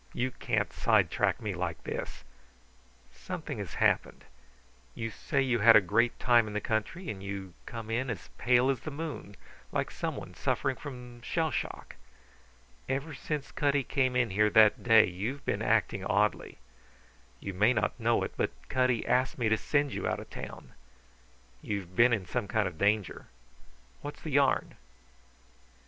You can't sidetrack me like this. Something has happened. You say you had a great time in the country, and you come in as pale as the moon, like someone suffering from shell shock. Ever since Cutty came in here that day you've been acting oddly. You may not know it, but Cutty asked me to send you out of town. You've been in some kind of danger. What's the yarn?"